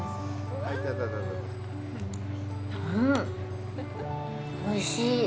うん、おいしい！